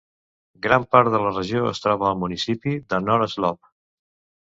Gran part de la regió es troba al municipi de North Slope.